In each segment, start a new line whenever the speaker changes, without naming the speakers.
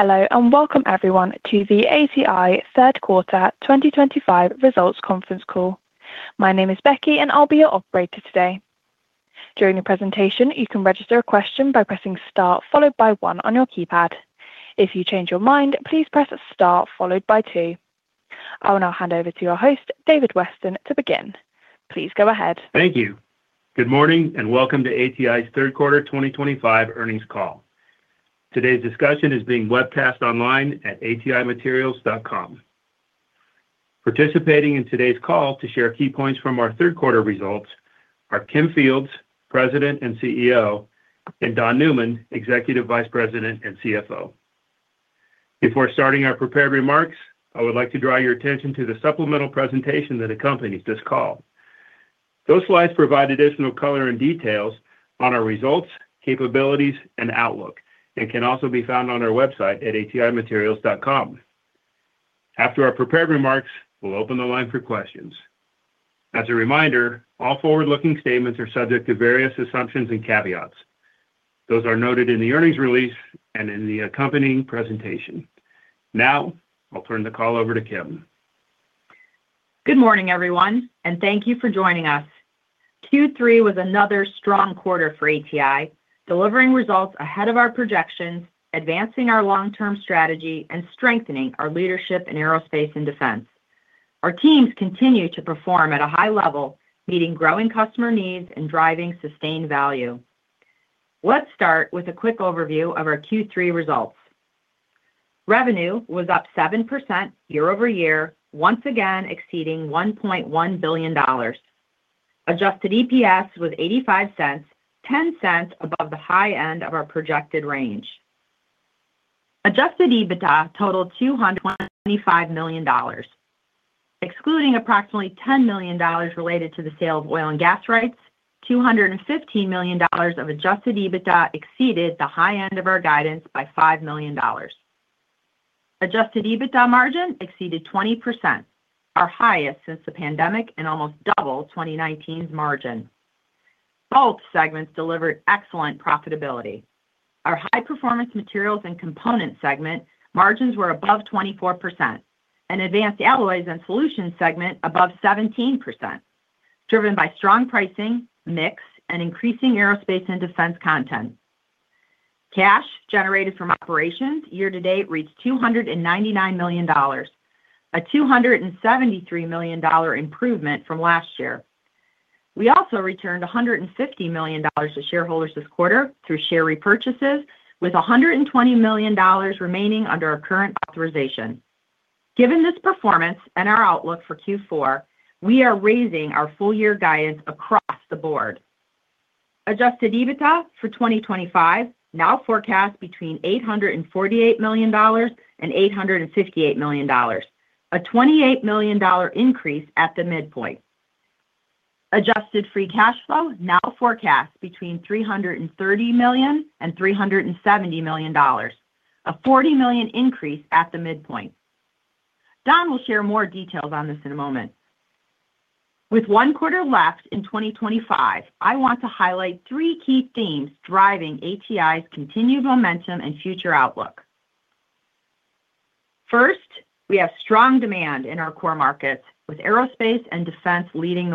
Hello and welcome everyone to the ATI third quarter 2025 results conference call. My name is Becky and I'll be your operator today. During the presentation, you can register a question by pressing Star followed by one on your keypad. If you change your mind, please press Star followed by two. I will now hand over to your host David Weston to begin. Please go ahead.
Thank you. Good morning and welcome to ATI's third quarter 2025 earnings call. Today's discussion is being webcast online at atimaterials.com. Participating in today's call to share key points from our third quarter results are Kim Fields, President and CEO, and Don Newman, Executive Vice President and CFO. Before starting our prepared remarks, I would like to draw your attention to the supplemental presentation that accompanies this call. Those slides provide additional color and details on our results, capabilities, and outlook and can also be found on our website at atimaterials.com. After our prepared remarks, we'll open the line for questions. As a reminder, all forward-looking statements are subject to various assumptions and caveats. Those are noted in the earnings release and in the accompanying presentation. Now I'll turn the call over to Kim.
Good morning everyone and thank you for joining us. Q3 was another strong quarter for ATI, delivering results ahead of our projections, advancing our long-term strategy, and strengthening our leadership in aerospace and defense. Our teams continue to perform at a high level, meeting growing customer needs and driving sustained value. Let's start with a quick overview of our Q3 results. Revenue was up 7% year-over-year, once again exceeding $1.1 billion. Adjusted EPS was $0.85, $0.10 above the high end of our projected range. Adjusted EBITDA totaled $225 million, excluding approximately $10 million related to the sale of oil and gas rights. $215 million of Adjusted EBITDA exceeded the high end of our guidance by $5 million. Adjusted EBITDA margin exceeded 20%, our highest since the pandemic, and almost double 2019's margin. Both segments delivered excellent profitability. Our High Performance Materials & Components segment margins were above 24% and Advanced Alloys & Solutions segment above 17%, driven by strong pricing mix and increasing aerospace and defense content. Cash generated from operations year-to-date reached $299 million, a $273 million improvement from last year. We also returned $150 million to shareholders this quarter through share repurchases, with $120 million remaining under our current authorization. Given this performance and our outlook for Q4, we are raising our full year guidance across the board. Adjusted EBITDA for 2025 now forecasts between $848 million and $858 million, a $28 million increase at the midpoint. Adjusted free cash flow now forecasts between $330 million and $370 million, a $40 million increase at the midpoint. Don will share more details on this in a moment. With one quarter left in 2025, I want to highlight three key themes driving ATI's continued momentum and future outlook. First, we have strong demand in our core markets with aerospace and defense leading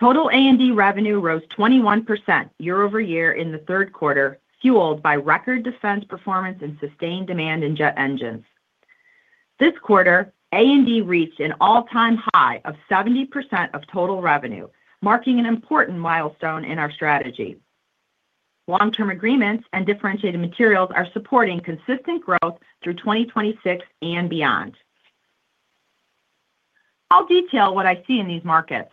the way. Total A&D revenue rose 21% year-over-year in the third quarter, fueled by record defense performance and sustained demand in jet engines. This quarter, A&D reached an all-time high of 70% of total revenue, marking an important milestone in our strategy. Long-term agreements and differentiated materials are supporting consistent growth through 2026 and beyond. I'll detail what I see in these markets.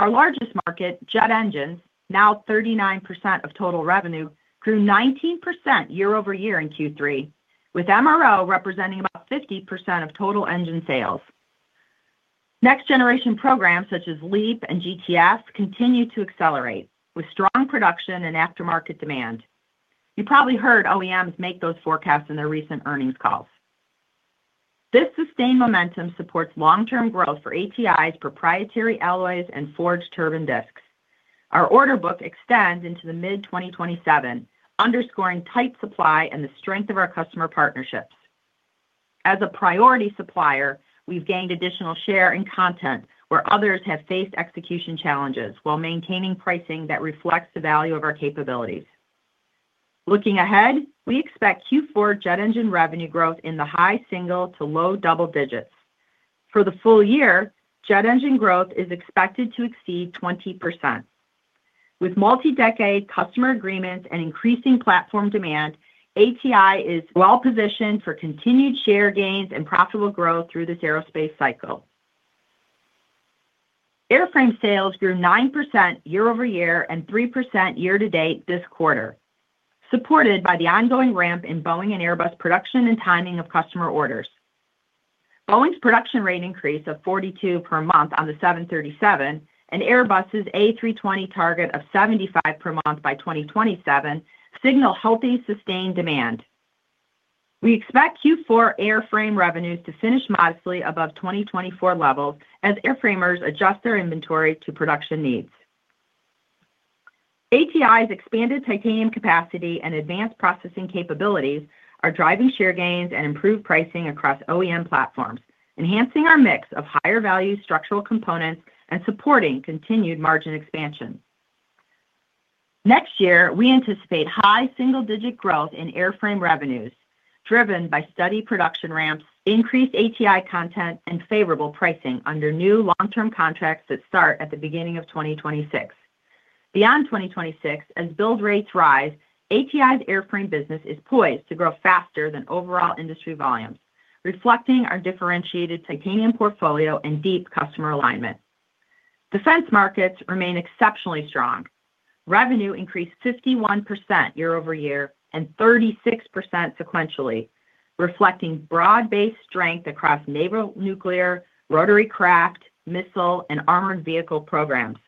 Our largest market, jet engines, now 39% of total revenue, grew 19% year-over-year in Q3, with MRO representing about 50% of total engine sales. Next generation programs such as LEAP and GTF continue to accelerate with strong production and aftermarket demand. You probably heard OEMs make those forecasts in their recent earnings calls. This sustained momentum supports long-term growth for ATI's proprietary alloys and forged turbine disks. Our order book extends into mid-2027, underscoring tight supply and the strength of our customer partnerships. As a priority supplier, we've gained additional share in content where others have faced execution challenges while maintaining pricing that reflects the value of our capabilities. Looking ahead, we expect Q4 jet engine revenue growth in the high single to low double digits. For the full year, jet engine growth is expected to exceed 20% with multi-decade customer agreements and increasing platform demand. ATI is well positioned for continued share gains and profitable growth through this aerospace cycle. Airframe sales grew 9% year-over-year and 3% year-to-date this quarter, supported by the ongoing ramp in Boeing and Airbus production and timing of customer orders. Boeing's production rate increase of 42 per month on the 737 and Airbus A320 target of 75 per month by 2027 signal healthy, sustained demand. We expect Q4 airframe revenues to finish modestly above 2024 levels as airframers adjust their inventory to production needs. ATI's expanded titanium capacity and advanced processing capabilities are driving share gains and improved pricing across OEM platforms, enhancing our mix of higher value structural components and supporting continued margin expansion. Next year, we anticipate high single-digit growth in airframe revenues driven by steady production ramps, increased ATI content, and favorable pricing under new long-term contracts that start at the beginning of 2026. Beyond 2026, as build rates rise, ATI's airframe business is poised to grow faster than overall industry volumes, reflecting our differentiated titanium portfolio and deep customer alignment. Defense markets remain exceptionally strong. Revenue increased 51% year-over-year and 36% sequentially, reflecting broad-based strength across naval, nuclear, rotary craft, missile, and armored vehicle programs.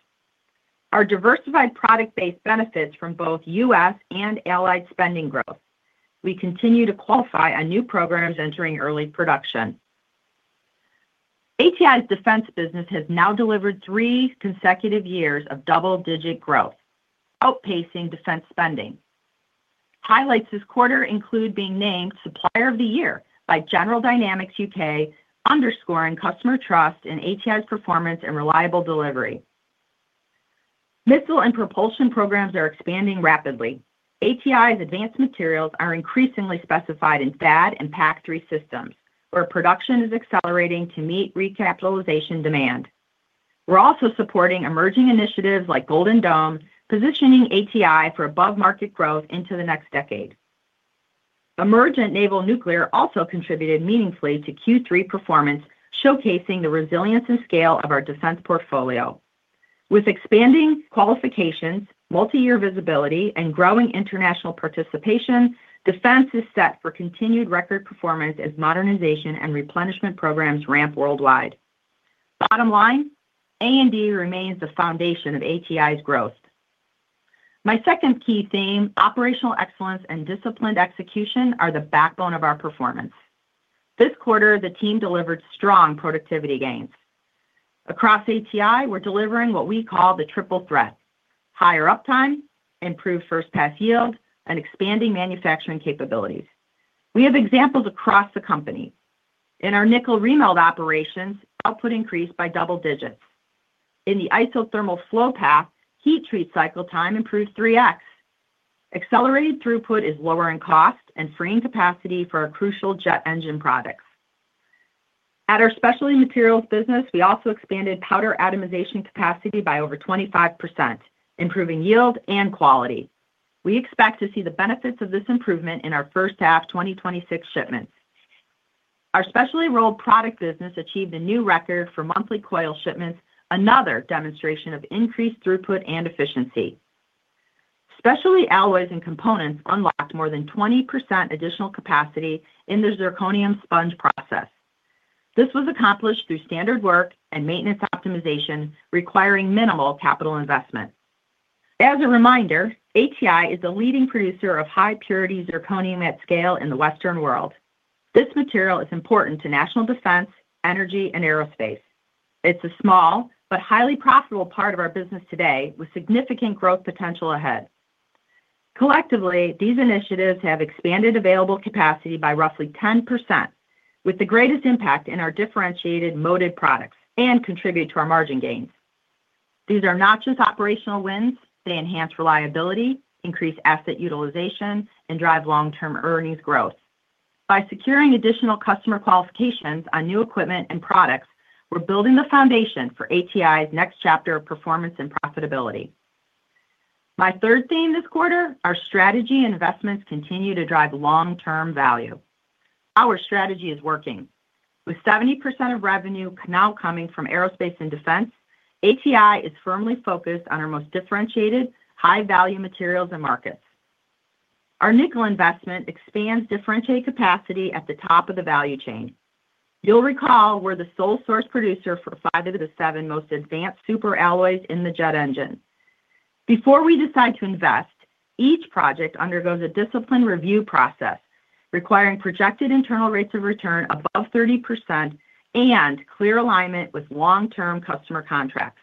Our diversified product base benefits from both U.S. and allied spending growth. We continue to qualify on new programs entering early production. ATI's defense business has now delivered three consecutive years of double-digit growth, outpacing defense spending. Highlights this quarter include being named Supplier of the Year by General Dynamics U.K., underscoring customer trust in ATI's performance and reliable delivery. Missile and propulsion programs are expanding rapidly. ATI's advanced materials are increasingly specified in THAAD and PAC-3 systems where production is accelerating to meet recapitalization demand. We're also supporting emerging initiatives like Golden Dome, positioning ATI for above market growth into the next decade. Emergent Naval Nuclear also contributed meaningfully to Q3 performance, showcasing the resilience and scale of our defense portfolio. With expanding qualifications, multi-year visibility, and growing international participation, defense is set for continued record performance as modernization and replenishment programs ramp worldwide. Bottom line, it remains the foundation of ATI's growth. My second key theme, operational excellence and disciplined execution, are the backbone of our performance this quarter. The team delivered strong productivity gains across ATI. We're delivering what we call the triple threat: higher uptime, improved first pass yield, and expanding manufacturing capabilities. We have examples across the company. In our nickel remelt operations, output increased by double digits. In the isothermal flow path, heat treat cycle time improved 3x. Accelerated throughput is lowering cost and freeing capacity for our crucial jet engine products. At our specialty materials business, we also expanded powder atomization capacity by over 25%, improving yield and quality. We expect to see the benefits of this improvement in our first half 2026 shipments. Our specialty rolled product business achieved a new record for monthly coil shipments, another demonstration of increased throughput and efficiency. Specialty alloys and components unlocked more than 20% additional capacity in the zirconium sponge process. This was accomplished through standard work and maintenance optimization, requiring minimal capital investment. As a reminder, ATI is the leading producer of high purity zirconium at scale in the western world. This material is important to national defense, energy, and aerospace. It's a small but highly profitable part of our business today with significant growth potential ahead. Collectively, these initiatives have expanded available capacity by roughly 10%, with the greatest impact in our differentiated moated products and contribute to our margin gains. These are not just operational wins. They enhance reliability, increase asset utilization, and drive long-term earnings growth. By securing additional customer qualifications on new equipment and products, we're building the foundation for ATI's next chapter of performance and profitability. My third theme this quarter: our strategy investments continue to drive long-term value. Our strategy is working, with 70% of revenue now coming from aerospace and defense. ATI is firmly focused on our most differentiated, high-value materials and markets. Our nickel investment expands differentiated capacity at the top of the value chain. You'll recall we're the sole source producer for five of the seven most advanced superalloys in the jet engine. Before we decide to invest, each project undergoes a disciplined review process requiring projected internal rates of return above 30% and clear alignment with long-term customer contracts.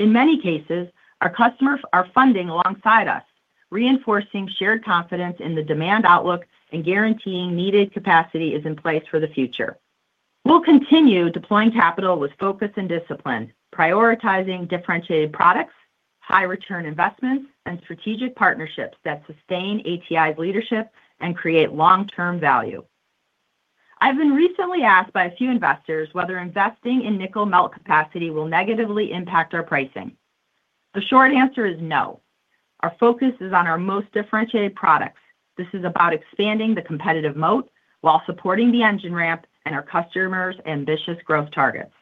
In many cases, our customers are funding alongside us, reinforcing shared confidence in the demand outlook and guaranteeing needed capacity is in place for the future. We'll continue deploying capital with focus and discipline, prioritizing differentiated products, high-return investments, and strategic partnerships that sustain ATI's leadership and create long-term value. I've been recently asked by a few investors whether investing in nickel melt capacity will negatively impact our pricing. The short answer is no. Our focus is on our most differentiated products. This is about expanding the competitive moat while supporting the engine ramp and our customers' ambitious growth targets.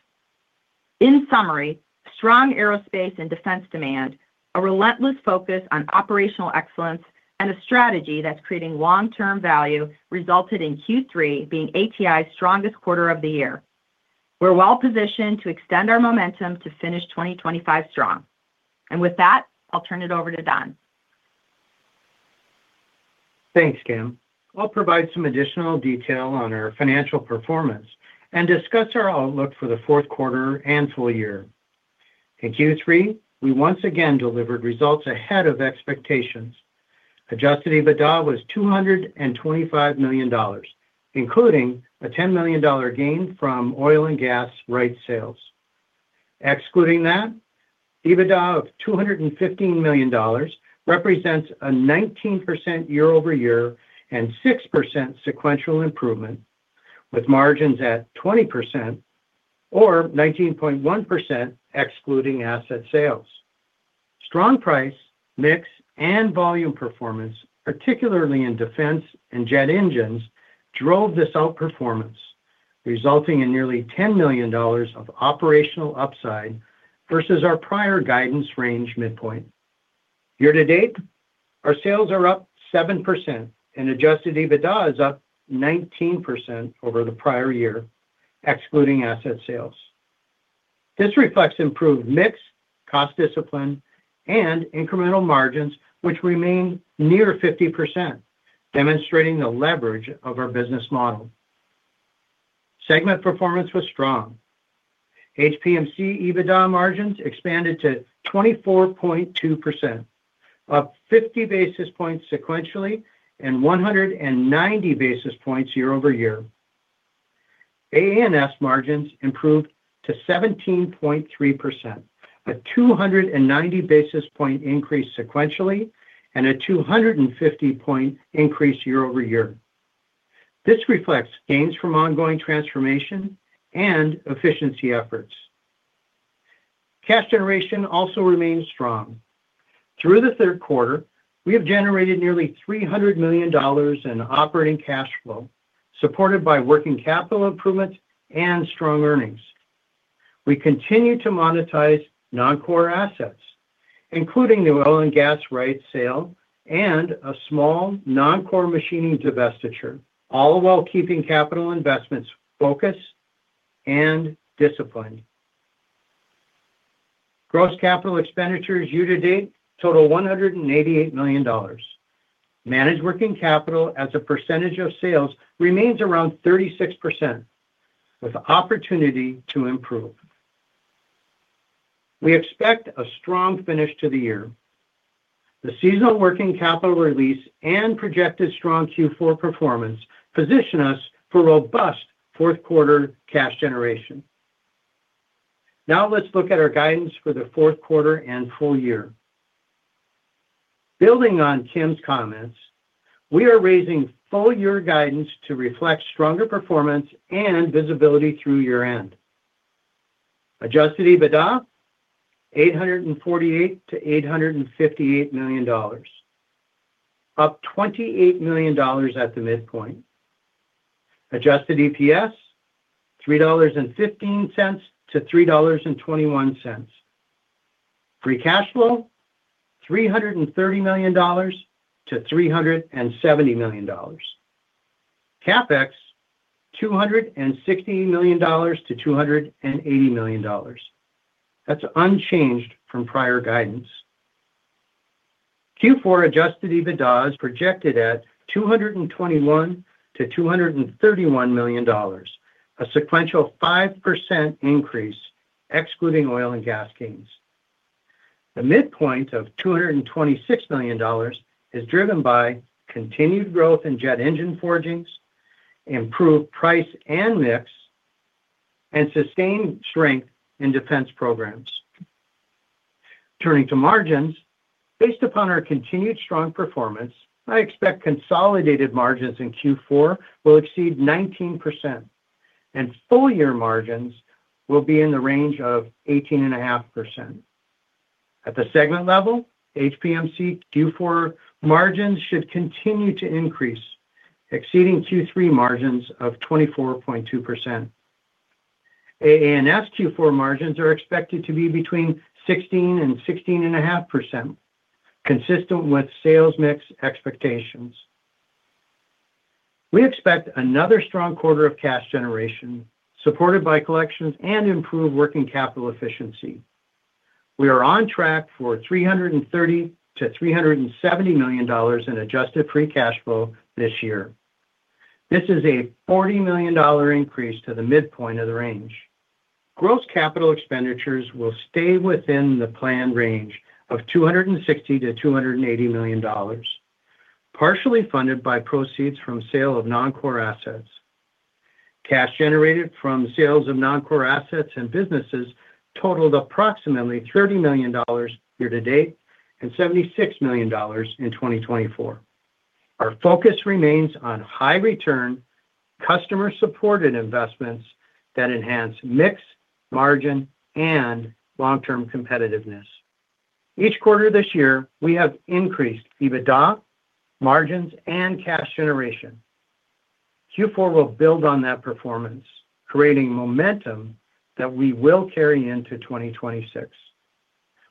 In summary, strong aerospace and defense demand, a relentless focus on operational excellence, and a strategy that's creating long-term value resulted in Q3 being ATI's strongest quarter of the year. We're well positioned to extend our momentum to finish 2025 strong, and with that, I'll turn it over to Don.
Thanks Kim. I'll provide some additional detail on our financial performance and discuss our outlook for the fourth quarter and full year. In Q3 we once again delivered results ahead of expectations. Adjusted EBITDA was $225 million, including a $10 million gain from oil and gas right sales. Excluding that, EBITDA of $215 million represents a 19% year-over-year and 6% sequential improvement, with margins at 20% or 19.1% excluding asset sales. Strong price mix and volume performance, particularly in defense and jet engines, drove this outperformance, resulting in nearly $10 million of operational upside versus our prior guidance range midpoint. Year-to-date, our sales are up 7% and Adjusted EBITDA is up 19% over the prior year excluding asset sales. This reflects improved mix, cost discipline, and incremental margins which remain near 50%, demonstrating the leverage of our business model. Segment performance was strong. HPMC EBITDA margins expanded to 24.2%, up 50 basis points sequentially and 190 basis points year-over-year. AANS margins improved to 17.3%, a 290 basis point increase sequentially and a 250 basis point increase year-over-year. This reflects gains from ongoing transformation and efficiency efforts. Cash generation also remains strong. Through the third quarter, we have generated nearly $300 million in operating cash flow, supported by working capital improvement and strong earnings. We continue to monetize non-core assets, including the oil and gas right sale and a small non-core machining divestiture, all while keeping capital investments focused and disciplined. Gross capital expenditures year-to-date total $188 million. Managed working capital as a percentage of sales remains around 36%. With opportunity to improve, we expect a strong finish to the year. The seasonal working capital release and projected strong Q4 performance position us for robust fourth quarter cash generation. Now let's look at our guidance for the fourth quarter and full year. Building on Kim's comments, we are raising full year guidance to reflect stronger performance and visibility through year end. Adjusted EBITDA $848 million to $858 million, up $28 million at the midpoint. Adjusted EPS $3.15 to $3.21, Free Cash Flow $330 million to $370 million, CapEx $260 million to $280 million. That's unchanged from prior guidance. Q4 Adjusted EBITDA is projected at $221 million to $231 million, a sequential 5% increase excluding oil and gas gains. The midpoint of $226 million is driven by continued growth in jet engine forgings, improved price and mix, and sustained strength in defense programs. Turning to margins, based upon our continued strong performance, I expect consolidated margins in Q4 will exceed 19% and full year margins will be in the range of 18.5%. At the segment level, HPMC Q4 margins should continue to increase, exceeding Q3 margins of 24.2%. AANS Q4 margins are expected to be between 16% and 16.5%, consistent with sales mix expectations. We expect another strong quarter of cash generation supported by collections and improved working capital efficiency. We are on track for $330 million-$370 million in Adjusted Free Cash Flow this year. This is a $40 million increase to the midpoint of the range. Gross capital expenditures will stay within the planned range of $260 milllion-$280 million, partially funded by proceeds from sale of non-core assets. Cash generated from sales of non-core assets and businesses totaled approximately $30 million year-to-date and $76 million in 2024. Our focus remains on high return customer supported investments that enhance mix, margin, and long-term competitiveness. Each quarter this year we have increased EBITDA margins and cash generation. Q4 will build on that performance, creating momentum that we will carry into 2026.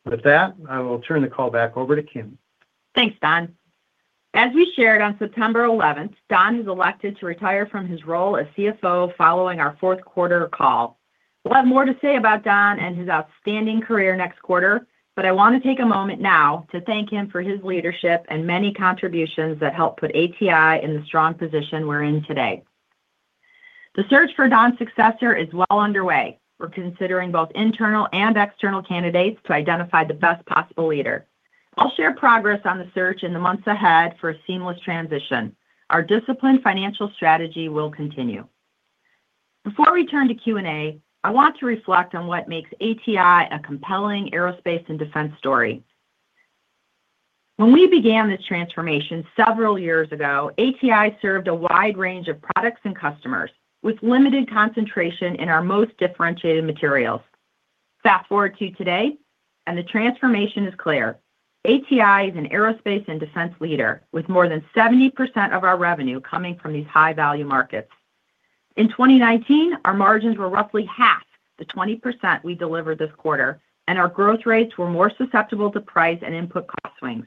With that, I will turn the call back over to Kim.
Thanks Don. As we shared on September 11th, Don is elected to retire from his role as CFO following our fourth quarter. We'll have more to say about Don and his outstanding career next quarter, but I want to take a moment now to thank him for his leadership and many contributions that helped put ATI in the strong position we're in today. The search for Don's successor is well underway. We're considering both internal and external candidates to identify the best possible leader. I'll share progress on the search in the months ahead for a seamless transition. Our disciplined financial strategy will continue. Before we turn to Q&A, I want to reflect on what makes ATI a compelling aerospace and defense story. When we began this transformation several years ago, ATI served a wide range of products and customers with limited concentration in our most differentiated materials. Fast forward to today and the transformation is clear. ATI is an aerospace and defense leader with more than 70% of our revenue coming from these high-value markets. In 2019, our margins were roughly half the 20% we delivered this quarter and our growth rates were more susceptible to price and input cost swings.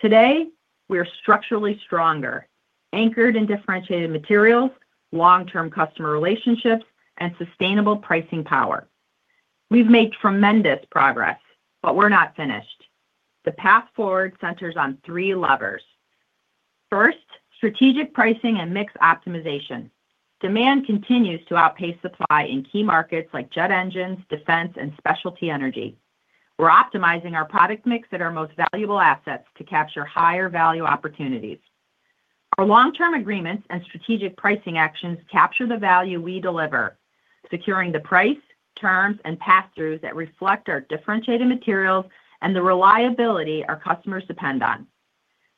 Today we are structurally stronger, anchored in differentiated materials, long-term customer relationships, and sustainable pricing power. We've made tremendous progress, but we're not finished. The path forward centers on three levers. First, strategic pricing and mix optimization. Demand continues to outpace supply in key markets like jet engines, defense, and specialty energy. We're optimizing our product mix at our most valuable assets to capture higher value opportunities. Our long-term agreements and strategic pricing actions capture the value we deliver, securing the price terms and pass-throughs that reflect our differentiated materials and the reliability our customers depend on.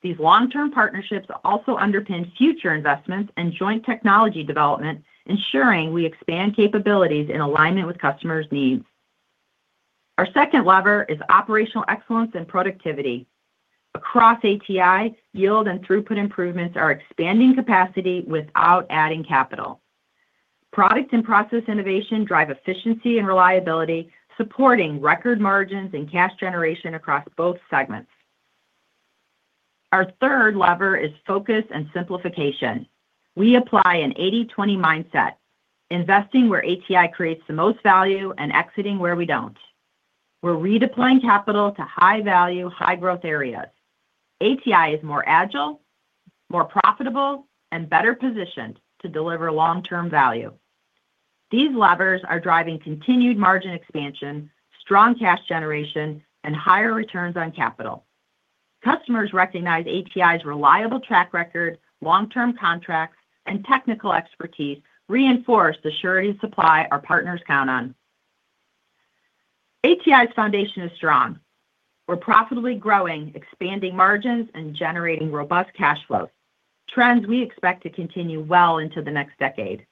These long-term partnerships also underpin future investments and joint technology development, ensuring we expand capabilities in alignment with customers' needs. Our second lever is operational excellence and productivity. Across ATI, yield and throughput improvements are expanding capacity without adding capital. Product and process innovation drive efficiency and reliability, supporting record margins and cash generation across both segments. Our third lever is focus and simplification. We apply an 80/20 mindset, investing where ATI creates the most value and exiting where we don't. We're redeploying capital to high-value, high-growth areas. ATI is more agile, more profitable, and better positioned to deliver long term value. These levers are driving continued margin expansion, strong cash generation, and higher returns on capital. Customers recognize ATI's reliable track record. Long-term contracts and technical expertise reinforce the surety of supply our partners count on. ATI's foundation is strong. We're profitably growing, expanding margins, and generating robust cash flows, trends we expect to continue well into the next decade.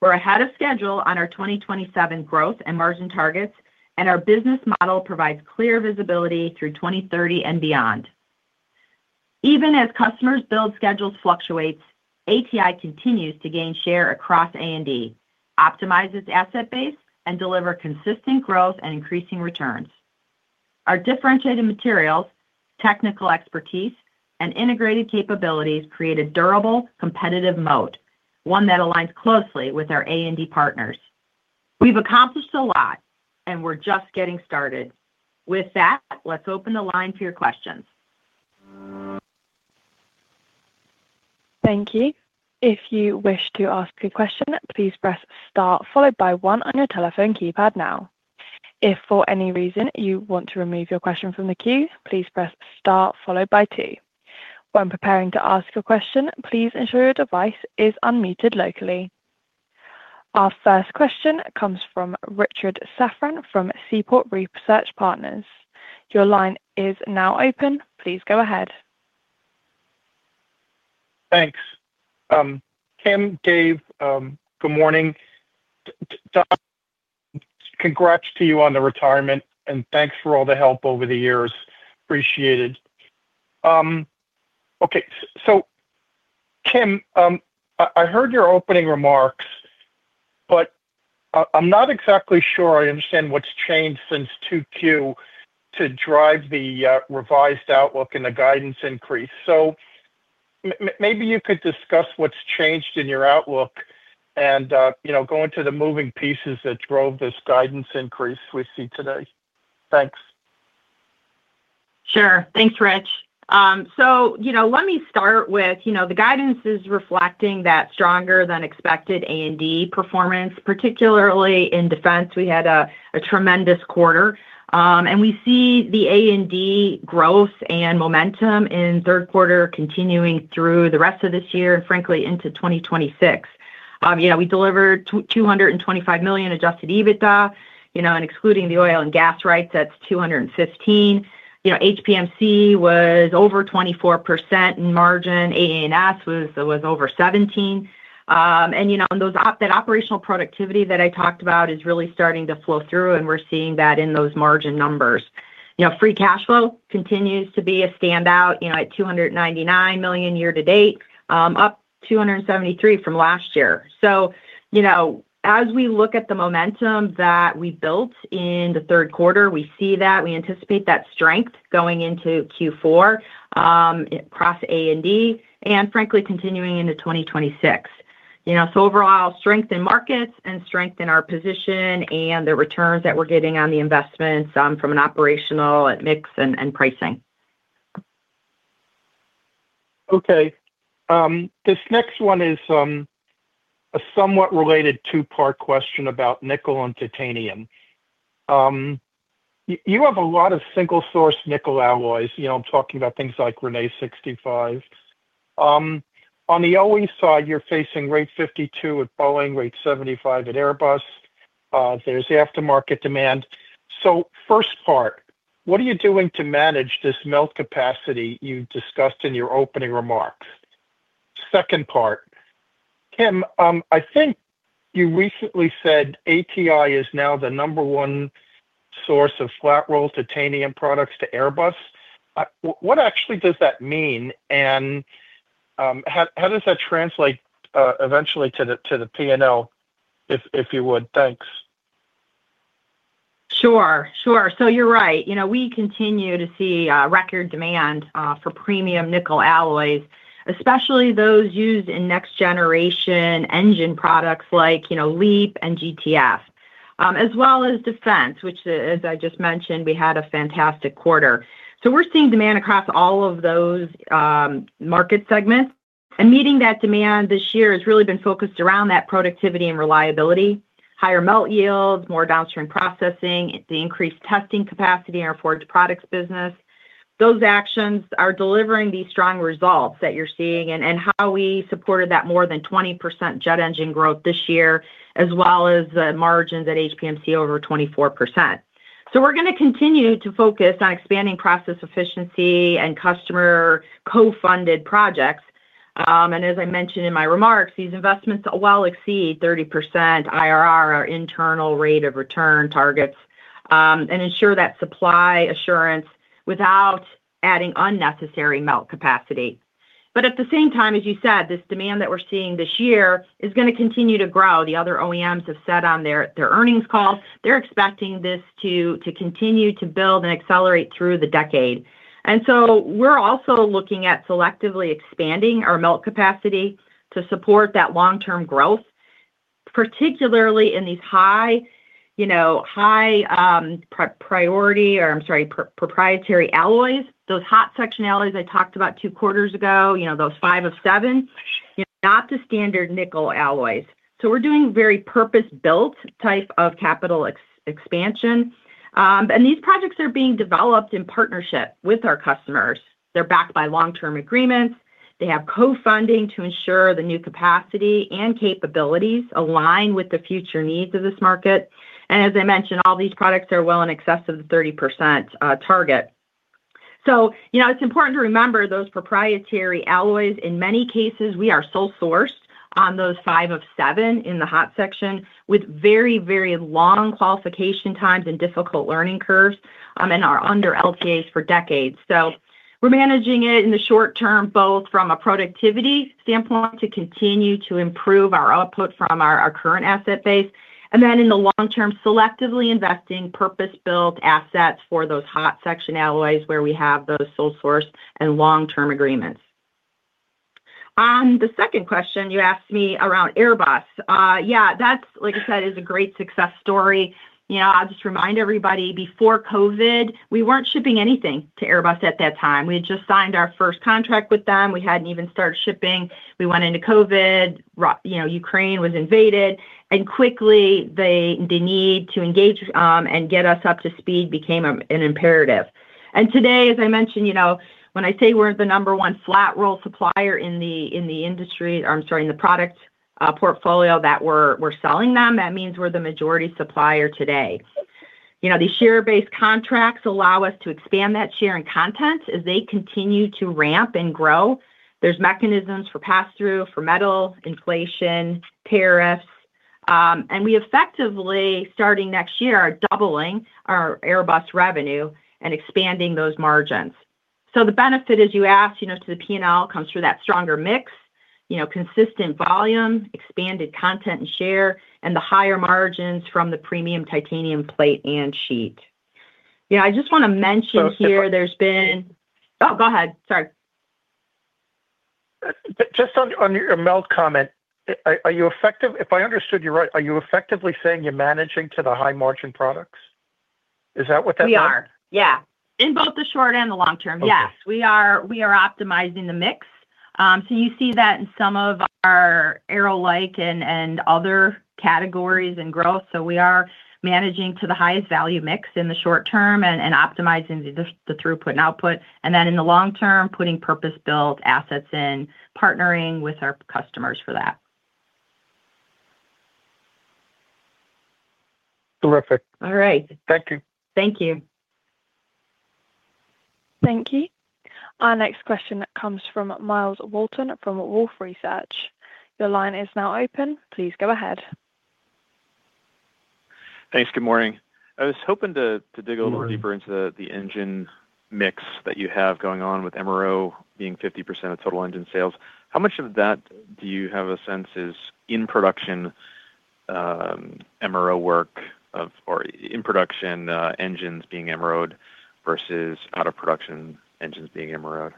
We're ahead of schedule on our 2027 growth and margin targets, and our business model provides clear visibility through 2030 and beyond. Even as customers build, schedules fluctuate. ATI continues to gain share across A&D, optimize its asset base, and deliver consistent growth and increasing returns. Our differentiated materials, technical expertise, and integrated capabilities create a durable competitive moat, one that aligns closely with our A&D partners. We've accomplished a lot, and we're just getting started. With that, let's open the line for your questions.
Thank you. If you wish to ask a question, please press star followed by one on your telephone keypad. If for any reason you want to remove your question from the queue, please press star followed by two. When preparing to ask your question, please ensure your device is unmuted locally. Our first question comes from Richard Safran from Seaport Research Partners. Your line is now open. Please go ahead.
Thanks, Kim. Dave, good morning. Congrats to you on the retirement and thanks for all the help over the years.
Appreciated.
Okay. Kim, I heard your opening remarks, but I'm not exactly sure I understand what's changed since 2Q to drive the revised outlook and the guidance increase. Maybe you could discuss what's changed in your outlook and go into the moving pieces that drove this guidance increase we see today. Thanks.
Sure. Thanks, Rich. Let me start with the guidance is reflecting that stronger than expected A&D performance, particularly in defense. We had a tremendous quarter, and we see the A&D growth and momentum in third quarter continuing through the rest of this year and frankly into 2026. We delivered $225 million Adjusted EBITDA, and excluding the oil and gas rights, that's $215 million. HPMC was over 24% in margin, AANS was over 17%, and that operational productivity that I talked about is really starting to flow through, and we're seeing that in those margin numbers. Free Cash Flow continues to be a standout at $299 million year-to-date, up $273 million from last year. As we look at the momentum that we built in the third quarter, we see that we anticipate that strength going into Q4 across A&D and frankly continuing into 2026. Overall strength in markets and strength in our position and the returns that we're getting on the investments from an operational ATI mix and pricing.
Okay, this next one is a somewhat related two-part question about nickel and titanium. You have a lot of single source nickel alloys. I'm talking about things like Rene 65. On the OE side you're facing rate 52 at Boeing, rate 75 at Airbus. There's aftermarket demand. First part, what are you doing to manage this melt capacity you discussed in your opening remarks? Second part, Kim, I think you recently said ATI is now the number one source of flat rolled titanium products to Airbus. What actually does that mean and how does that translate eventually to the P&L, if you would. Thanks.
Sure. You're right. You know, we continue to see record demand for premium nickel alloys, especially those used in next generation engine products like LEAP and GTF as well as defense, which as I just mentioned, we had a fantastic quarter. We're seeing demand across all of those market segments. Meeting that demand this year has really been focused around productivity and reliability, higher melt yields, more downstream processing, the increased testing capacity in our forged products business. Those actions are delivering these strong results that you're seeing and how we supported that more than 20% jet engine growth this year as well as margins at HPMC over 24%. We're going to continue to focus on expanding process efficiency and customer co-funded projects. As I mentioned in my remarks, these investments well exceed 30% IRR or internal rate of return targets and ensure that supply assurance without adding unnecessary melt capacity. At the same time, as you said, this demand that we're seeing this year is going to continue to grow. The other OEMs have said on their earnings call they're expecting this to continue to build and accelerate through the decade. We're also looking at selectively expanding our melt capacity to support that long term growth, particularly in these high priority, or I'm sorry, proprietary alloys. Those hot section alloys I talked about two quarters ago, those five of seven, not the standard nickel alloys. We're doing very purpose-built type of capital expansion and these projects are being developed in partnership with our customers. They're backed by long term agreements, they have co-funding to ensure the new capacity and capabilities align with the future needs of this market. As I mentioned, all these products are well in excess of the 30% target. It's important to remember those proprietary alloys, in many cases we are sole sourced on those five of seven in the hot section with very, very long qualification times and difficult learning curves and are under LTAs for decades. We're managing it in the short term, both from a productivity standpoint to continue to improve our output from our current asset base and then in the long term selectively investing purpose-built assets for those hot section alloys where we have those sole source and long term agreements. On the second question you asked me around, Airbus. Yeah, that, like I said, is a great success story. I'll just remind everybody before COVID we weren't shipping anything to Airbus. At that time we had just signed our first contract with them. We hadn't even started shipping. We went into COVID, Ukraine was invaded, and quickly the need to engage and get us up to speed became an imperative. Today, as I mentioned, when I say we're the number one flat roll supplier in the industry—in the product portfolio that we're selling them—that means we're the majority supplier today. The share-based contracts allow us to expand that share and content as they continue to ramp and grow. There are mechanisms for pass-through for metal inflation and tariffs, and we, effectively starting next year, are doubling our Airbus revenue and expanding those margins. The benefit, as you asked, to the P&L comes through that stronger mix, consistent volume, expanded content and share, and the higher margins from the premium titanium plate and sheet. I just want to mention here there's been—oh, go ahead. Sorry.
Just on your melt comment, are you effectively—if I understood you right, are you effectively saying you're managing to the high margin products? Is that what that—
We are, yes. In both the short and the long term, yes we are. We are optimizing the mix. You see that in some of our aero-like and other categories and growth. We are managing to the highest value mix in the short term and optimizing the throughput and output, and in the long term putting purpose-built assets in, partnering with our customers for that.
Terrific.
All right,
thank you,
thank you.
Thank you. Our next question comes from Myles Walton from Wolfe Research. Your line is now open. Please go ahead.
Thanks. Good morning. I was hoping to dig a little. Deeper into the engine mix that you have going on with MRO being 50% of total engine sales, how much of that do you have a sense is in production MRO work or in production engines being MRO'd versus out of production engines being MRO'd?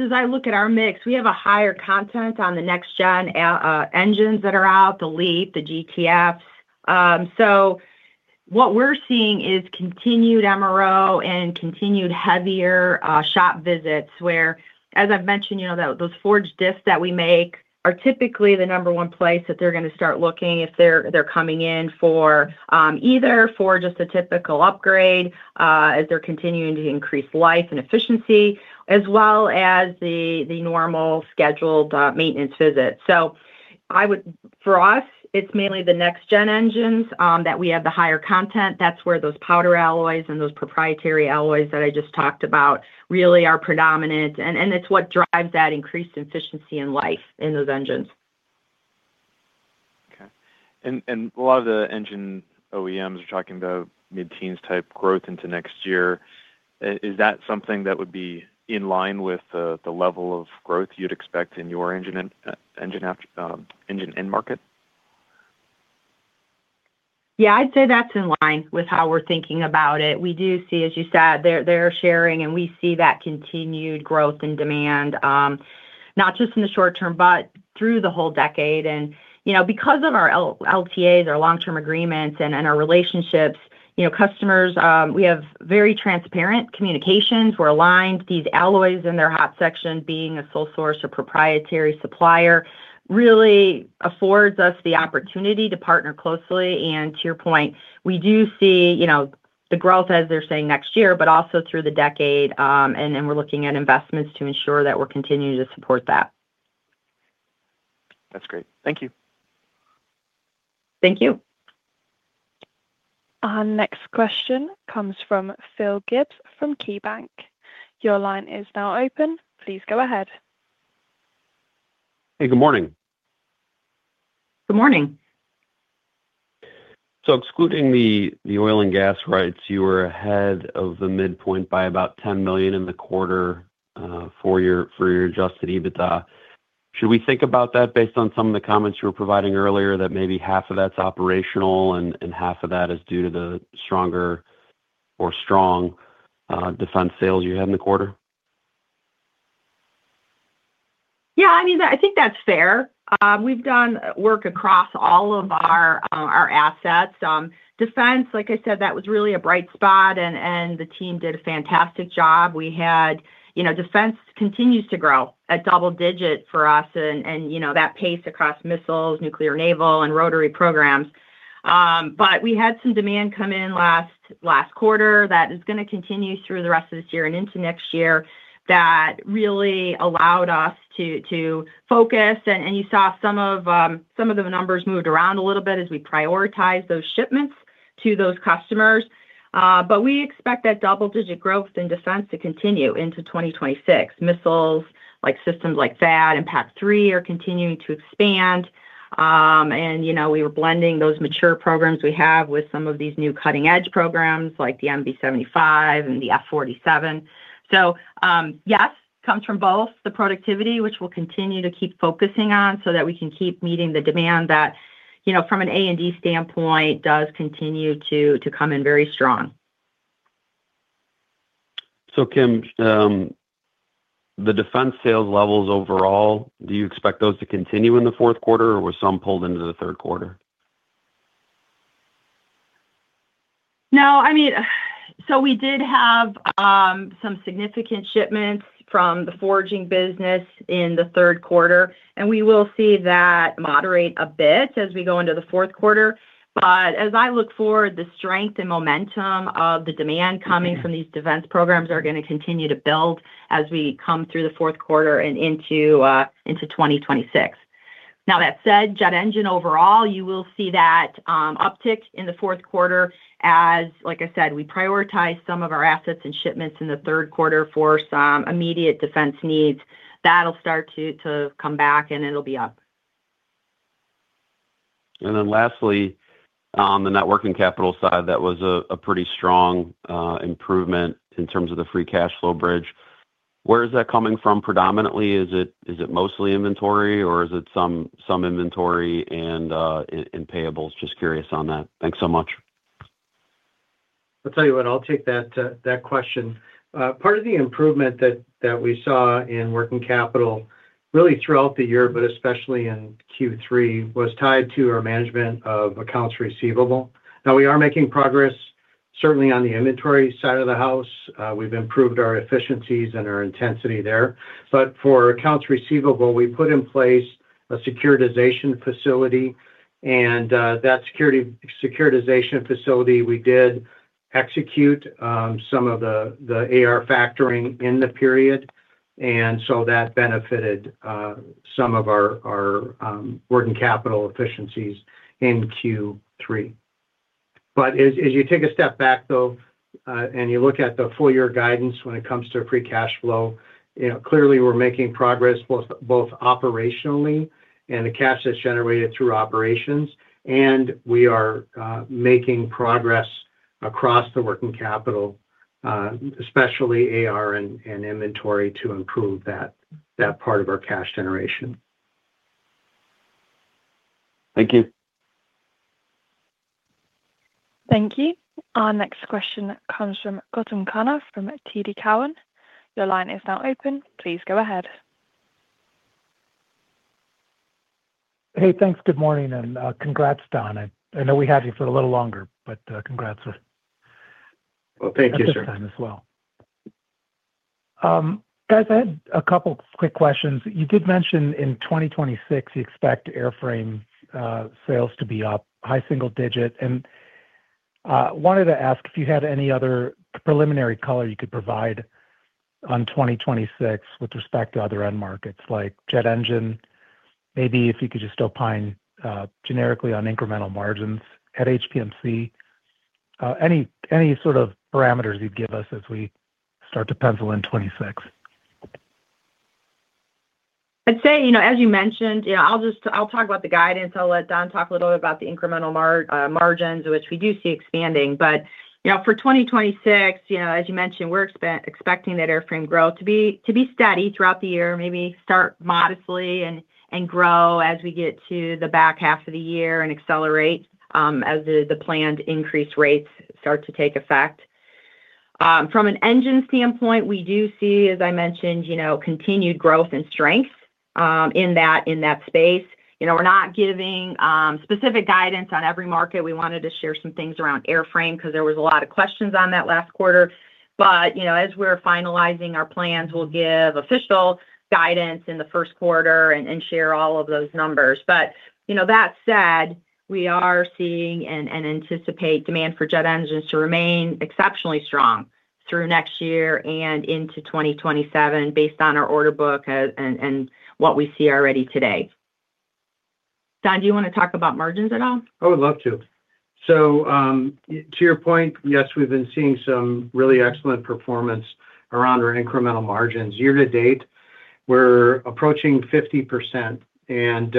As I look at our mix, we have a higher content on the next-gen engines that are out, the LEAP, the GTFs. What we're seeing is continued MRO and continued heavier shop visits where, as I've mentioned, those forged discs that we make are typically the number one place that they're going to start looking if they're coming in either for just a typical upgrade as they're continuing to increase life and efficiency, as well as the normal scheduled maintenance visit. For us, it's mainly the next gen engines that we have the higher content. That's where those powder alloys and those proprietary alloys that I just talked about really are predominant, and it's what drives that increased efficiency and life in those engines.
Okay. A lot of the engineers, OEMs are talking about mid teens type growth into next year. Is that something that would be in line with the level of growth you'd expect in your engine end market?
Yeah, I'd say that's in line with how we're thinking about it. We do see, as you said, they're sharing and we see that continued growth in demand not just in the short term, but through the whole decade. Because of our LTAs, our long term agreements and our relationships, you know, customers, we have very transparent communications. We're aligned these alloys in their hot section. Being a sole source or proprietary supplier really affords us the opportunity to partner closely. To your point, we do see, you know, the growth, as they're saying next year, but also through the decade and we're looking at investments to ensure that we're continuing to support that.
That's great. Thank you.
Thank you.
Our next question comes from Phil Gibbs from KeyBanc. Your line is now open. Please go ahead.
Hey, good morning.
Good morning.
Excluding the oil and gas rights, you were ahead of the midpoint by about $10 million in the quarter for your Adjusted EBITDA. Should we think about that, based on some of the comments you were providing earlier, that maybe half of that's operational and half of that is due to the stronger or strong defense sales you have in the quarter?
Yeah, I mean, I think that's fair. We've done work across all of our assets. Defense, like I said, that was really a bright spot and the team did a fantastic job. Defense continues to grow at double digit for us and that pace across missiles, nuclear, naval and rotary programs. We had some demand come in last quarter that is going to continue through the rest of this year and into next year. That really allowed us to focus and you saw some of the numbers moved around a little bit as we prioritized those shipments to those customers. We expect that double digit growth in defense to continue into 2026. Missiles systems like THAAD and PAC-3 are continuing to expand and we were blending those mature programs we have with some of these new cutting edge programs like the MB75 and the F47. Yes, it comes from both the productivity, which we'll continue to keep focusing on so that we can keep meeting the demand that, from an A&D standpoint, does continue to come in very strong.
Kim, the defense sales levels overall, do you expect those to continue in the fourth quarter or were some pulled into the third quarter?
I mean, we did have some significant shipments from the forging business in the third quarter, and we will see that moderate a bit as we go into the fourth quarter. As I look forward, the strength and momentum of the demand coming from these defense programs are going to continue to build as we come through the fourth quarter and into 2026. That said, jet engine overall, you will see that uptick in the fourth quarter. As I said, we prioritize some of our assets and shipments in the third quarter for some immediate defense needs. That'll start to come back, and it'll be up.
Lastly, on the networking capital side, that was a pretty strong improvement in terms of the free cash flow bridge. Where is that coming from predominantly? Is it mostly inventory, or is it some inventory and payables? Just curious on that. Thanks so much.
I'll tell you what, I'll take that question. Part of the improvement that we saw in working capital really throughout the year, especially in Q3, was tied to our management of accounts receivable. We are making progress certainly on the inventory side of the house. We've improved our efficiencies and our intensity there. For accounts receivable, we put in place a securitization facility, and that securitization facility, we did execute some of the AR factoring in the period, so that benefited some of our working capital efficiencies in Q3. As you take a step back and look at the full year guidance when it comes to free cash flow, clearly we're making progress both operationally and in the cash that's generated through operations. We are making progress across the working capital, especially AR and inventory, to improve that part of our cash generation.
Thank you.
Thank you. Our next question comes from Gautam Khanna from TD Cowen. Your line is now open. Please go ahead. Hey, thanks.
Good morning and congrats, Don. I know we had you for a little longer, but congrats.
Thank you, sir.
I had a couple quick questions. You did mention in 2026 you expect airframe sales to be up high single digit, and wanted to ask if you had any other preliminary color you could provide on 2026 with respect to other end markets like jet engine. Maybe if you could just opine generically on incremental margins at HPMC. Any sort of parameters you'd give us as we start to pencil in 2026?
I'd say, as you mentioned, I'll talk about the guidance and I'll let Don talk a little bit about the incremental margins, which we do see. For 2026, as you mentioned, we're expecting that airframe growth to be steady throughout the year, maybe start modestly and grow as we get to the back half of the year and accelerate as the planned increase rates start to take effect. From an engine standpoint, we do see, as I mentioned, continued growth and strength in that space. We're not giving specific guidance on every market. We wanted to share some things around airframe because there was a lot of question last quarter. As we're finalizing our plans, we'll give official guidance in the first quarter and share all of those numbers. That said, we are seeing and anticipate demand for jet engines to remain exceptionally strong through next year and into 2027, based on our order book and what we see already today. Don, do you want to talk about margins at all?
I would love to. To your point, yes, we've been seeing some really excellent performance around our incremental margins. Year-to-date, we're approaching 50%, and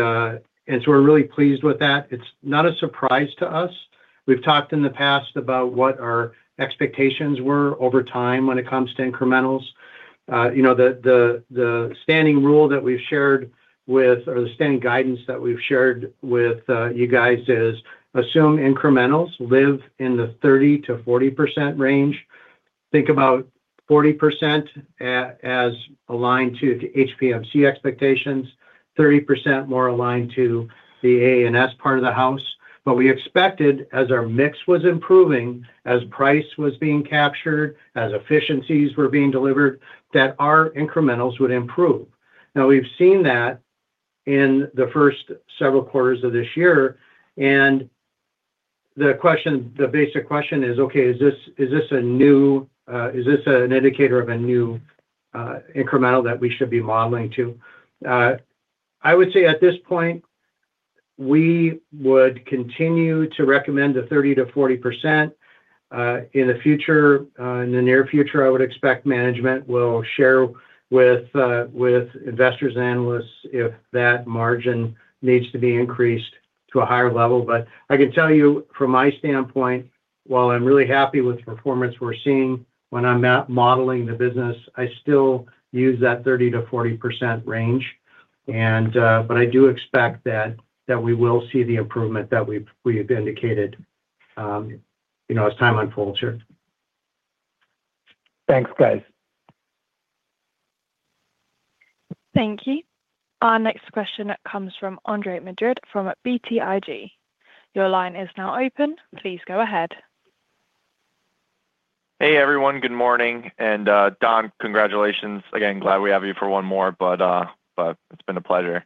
we're really pleased with that. It's not a surprise to us. We've talked in the past about what our expectations were over time when it comes to incrementals. The standing rule that we've shared or the standing guidance that we've shared with you guys is assume incrementals live in the 30%-40% range. Think about 40% as aligned to HPMC expectations, 30% more aligned to the AANS part of the house. We expected as our mix was improving, as price was being captured, as efficiencies were being delivered, that our incrementals would improve. We've seen that in the first several quarters of this year. The basic question is, okay, is this an indicator of a new incremental that we should be modeling to? I would say at this point we would continue to recommend the 30%-40% in the future. In the near future, I would expect management will share with investors and analysts if that margin needs to be increased to a higher level. I can tell you from my standpoint, while I'm really happy with the performance we're seeing, when I'm modeling the business, I still use that 30%-40% range. I do expect that we will see the improvement that we've indicated as time unfolds here.
Thanks, guys.
Thank you. Our next question comes from Andre Madrid from BTIG. Your line is now open. Please go ahead.
Hey, everyone. Good morning. Don, congratulations again. Glad we have you for one more, it's been a pleasure.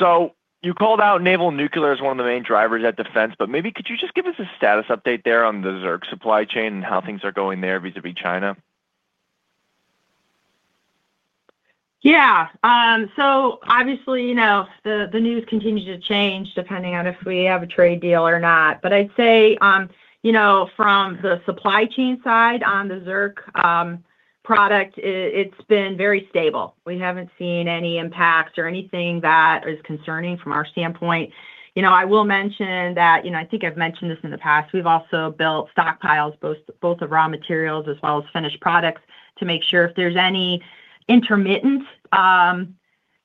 You called out Naval Nuclear as one of the main drivers at Defense. Could you just give us a status update there on the zirconium supply chain and how things are going there vis a vis China?
Yeah, so obviously, you know, the news continues to change depending on if we have a trade deal or not. I'd say, you know, from the supply chain side on the zirconium product, it's been very stable. We haven't seen any impact or anything that is concerning from our standpoint. I think I've mentioned this in the past. We've also built stockpiles, both of raw materials as well as finished products, to make sure if there's any intermittent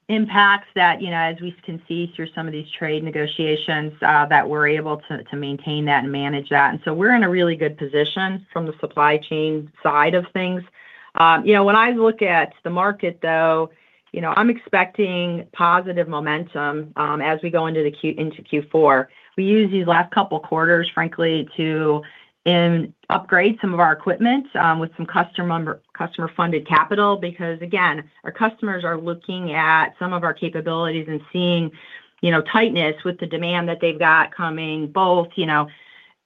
impacts that, as we can see through some of these trade negotiations, we're able to maintain that and manage that. We're in a really good position from the supply chain side of things. When I look at the market, though, I'm expecting positive momentum as we go into Q4. We used these last couple quarters, frankly, to upgrade some of our equipment with some customer-funded capital because, again, our customers are looking at some of our capabilities and seeing tightness with the demand that they've got coming, both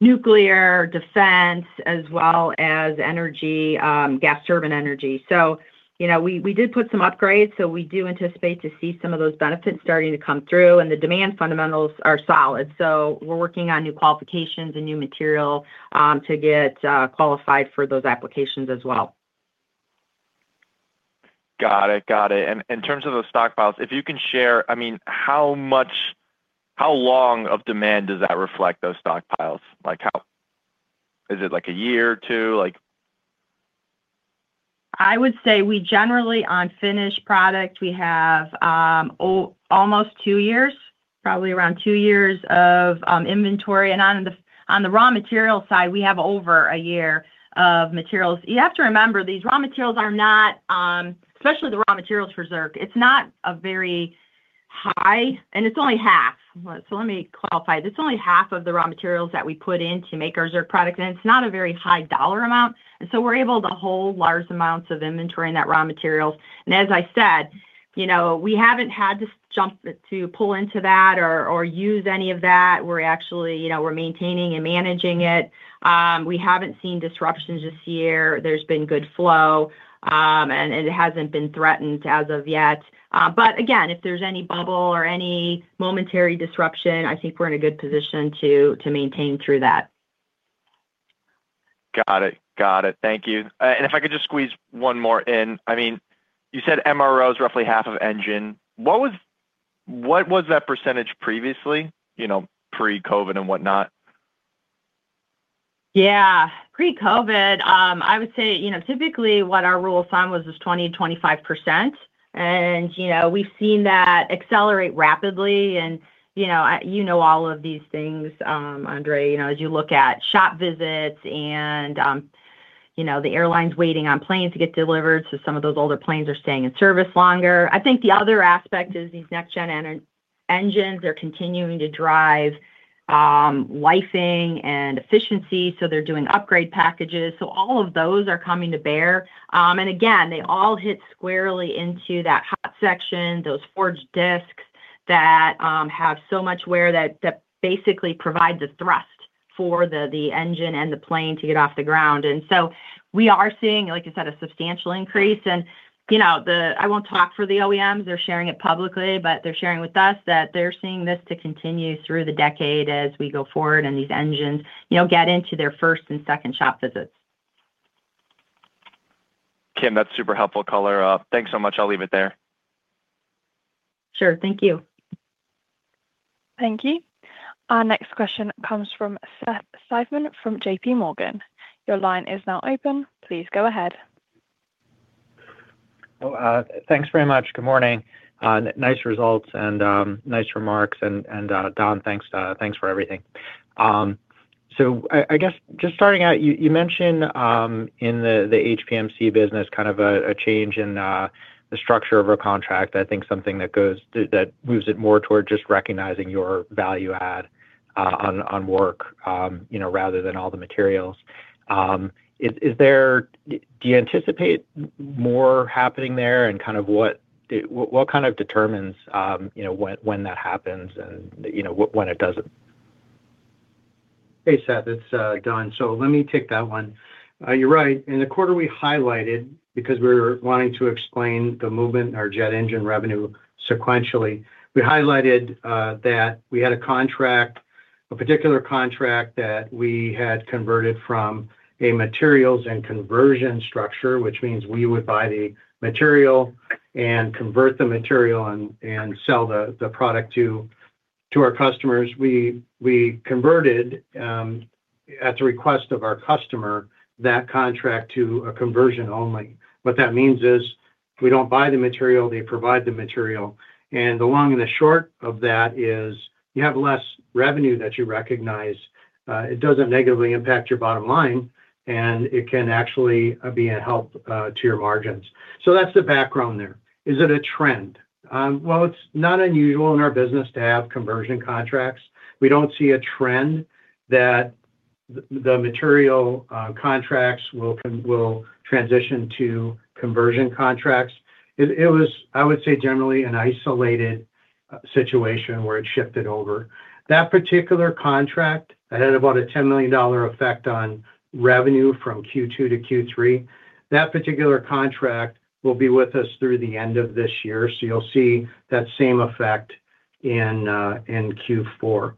nuclear defense as well as energy, gas turbine energy. We did put some upgrades in, so we do anticipate to see some of those benefits starting to come through. The demand fundamentals are solid. We're working on new qualifications and new material to get qualified for those applications as well.
Got it, got it. In terms of those stockpiles, if you can share, I mean, how much, how long of demand does that reflect, those stockpiles? Is it like a year or two?
I would say we generally, on finished product, have almost two years, probably around two years of inventory. On the raw material side, we have over a year of materials. You have to remember, these raw materials are not, especially the raw materials for zirconium, it's not very high and it's only half. Let me qualify this: only half of the raw materials that we put in to make our zirconium products, and it's not a very high dollar amount. We're able to hold large amounts of inventory in that raw materials. As I said, we haven't had to jump to pull into that or use any of that. We're actually maintaining and managing it. We haven't seen disruptions this year. There's been good flow, and it hasn't been threatened as of yet. If there's any bubble or any momentary disruption, I think we're in a good position to maintain through that.
Got it. Thank you. If I could just squeeze one more in. You said MRO is roughly half of engine. What was that percentage previously, you know, pre-COVID and whatnot?
Pre-COVID, I would say, you know, typically what our rule of thumb was is 20%, 25%. We've seen that accelerate rapidly and, you know, all of these things, Andre, as you look at shop visits and the airline's waiting on planes to get delivered, some of those older planes are staying in service longer. I think the other aspect is these next gen engines, they're continuing to drive lifeing and efficiency. They're doing upgrade packages, so all of those are coming to bear. They all hit squarely into that hot section, those forged discs that have so much wear that basically provides a thrust for the engine and the plane to get off the ground. We are seeing, like I said, a substantial increase. I won't talk for the OEMs, they're sharing it publicly, but they're sharing with us that they're seeing this continue through the decade as we go forward and these engines get into their first and second shop visits.
Kim, that's super helpful. Thanks so much. I'll leave it there.
Sure. Thank you.
Thank you. Our next question comes from Seth Seifman from JPMorgan. Your line is now open. Please go ahead.
Thanks very much. Good morning. Nice results and nice remarks. Don, thanks. Thanks for everything. I guess just starting out, you. Mentioned in the HPMC business, kind of a change in the structure of a contract. I think something that goes, that moves it more toward just recognizing your value add on work, you know, rather than all the materials. Is there, do you anticipate more happening there and kind of what determines, you know, when that happens and, you know, when it doesn't?
Hey, Seth, it's Don. Let me take that one. You're right. In the quarter, we highlighted, because we're wanting to explain the movement, our jet engine revenue sequentially. We highlighted that we had a contract, a particular contract that we had converted from a materials and conversion structure, which means we would buy the material and convert the material and sell the product to our customers. We converted at the request of our customer that contract to a conversion only. What that means is we don't buy the material. They provide the material. The long and the short of that is you have less revenue that you recognize. It doesn't negatively impact your bottom line and it can actually be a help to your margins. That's the background there. Is it a trend? It's not unusual in our business to have conversion contracts. We don't see a trend that the material contracts will transition to conversion contracts. It was, I would say, generally an isolated situation where it shifted over that particular contract that had about a $10 million effect on revenue from Q2 to Q3. That particular contract will be with us through the end of this year, so you'll see that same effect in Q4.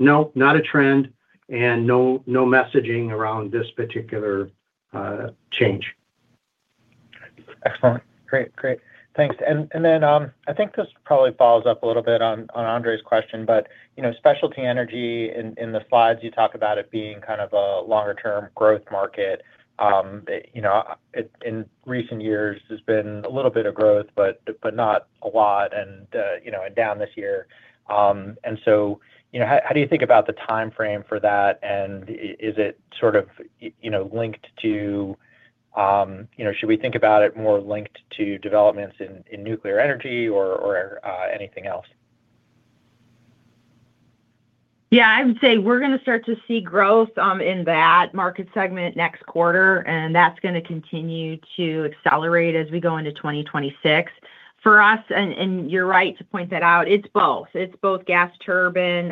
No, not a trend and no messaging around this particular change.
Excellent. Great, great. Thanks. I think this probably follows up a little bit on Andre's question. Specialty energy, in the slides you talk about it being kind of a longer-term growth market. In recent years there's been a little bit of growth, but not a lot, and down this year. How do you think about the time frame for that, and is it sort of linked to, should we think about it more linked to developments in nuclear energy or anything else?
Yeah, I would say we're going to start to see growth in that market segment next quarter, and that's going to continue to accelerate as we go into 2026 for us. You're right to point that out. It's both gas turbine,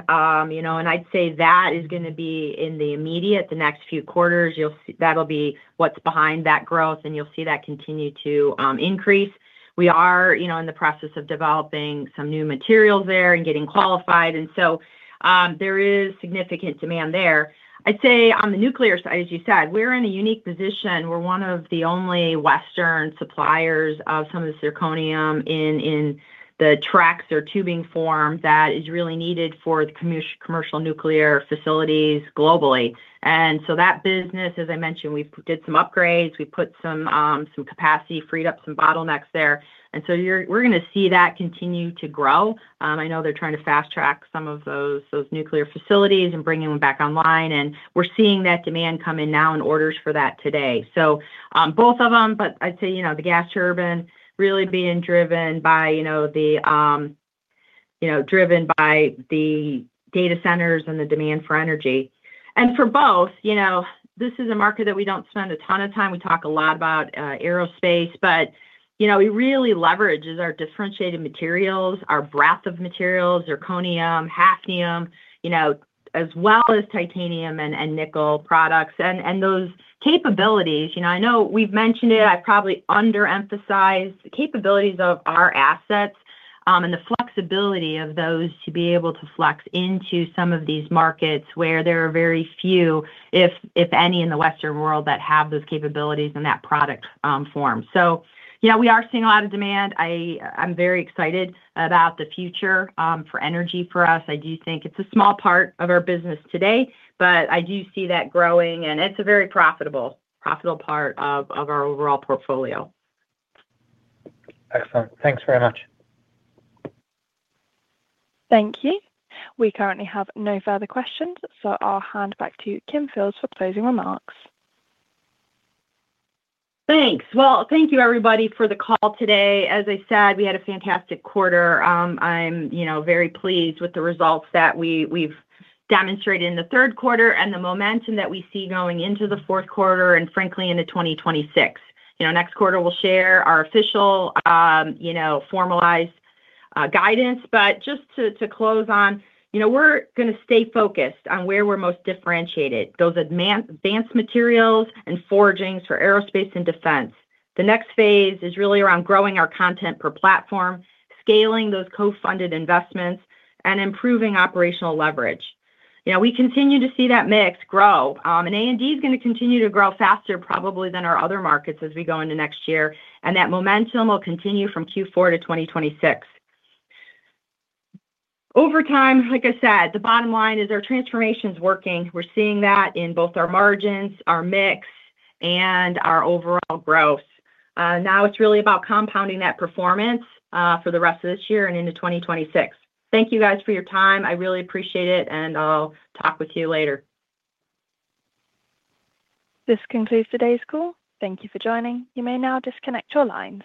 you know, and I'd say that is going to be in the immediate, the next few quarters. You'll see that'll be what's behind that growth, and you'll see that continue to increase. We are in the process of developing some new materials there and getting qualified. There is significant demand there. I'd say on the nuclear side, as you said, we're in a unique position. We're one of the only western suppliers of some of the zirconium in the tracks or tubing form that is really needed for the commercial nuclear facilities globally. That business, as I mentioned, we did some upgrades, we put some capacity, freed up some bottlenecks there, and we're going to see that continue to grow. I know they're trying to fast track some of those nuclear facilities and bringing them back online. We're seeing that demand come in now in orders for that today. Both of them, but I'd say the gas turbine really being driven by the data centers and the demand for energy. For both, this is a market that we don't spend a ton of time. We talk a lot about aerospace, but we really leverage our differentiated materials, our breadth of materials, zirconium, hafnium, as well as titanium and nickel products and those capabilities. I know we've mentioned it. I probably underemphasized the capabilities of our assets and the flexibility of those to be able to flex into some of these markets where there are very few, if any, in the western world that have those capabilities in that product form. We are seeing a lot of demand. I'm very excited about the future for energy for us. I do think it's a small part of our business today, but I do see that growing, and it's a very profitable part of our overall portfolio.
Excellent. Thanks very much.
Thank you. We currently have no further questions, so I'll hand back to Kim Fields for closing remarks.
Thanks. Thank you everybody for the call today. As I said, we had a fantastic quarter. I'm very pleased with the results that we've demonstrated in the third quarter and the momentum that we see going into the fourth quarter and frankly into 2026. Next quarter we'll share our official, formalized guidance. Just to close on, we're going to stay focused on where we're most differentiated, those advanced materials and forgings for aerospace and defense. The next phase is really around growing our content per platform, scaling those co-funded investments and improving operational leverage. We continue to see that mix grow and A&D is going to continue to grow faster probably than our other markets as we go into next year. That momentum will continue from Q4 to 2026 over time. Like I said, the bottom line is our transformation is working. We're seeing that in both our margins, our mix and our overall growth. Now it's really about compounding that performance for the rest of this year and into 2026. Thank you guys for your time. I really appreciate it. I'll talk with you later.
This concludes today's call. Thank you for joining. You may now disconnect your lines.